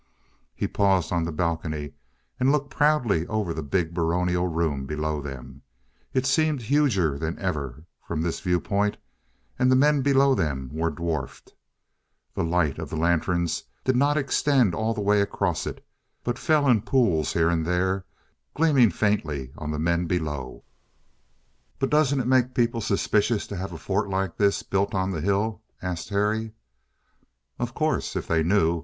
He paused on the balcony and looked proudly over the big, baronial room below them. It seemed huger than ever from this viewpoint, and the men below them were dwarfed. The light of the lanterns did not extend all the way across it, but fell in pools here and there, gleaming faintly on the men below. "But doesn't it make people suspicious to have a fort like this built on the hill?" asked Terry. "Of course. If they knew.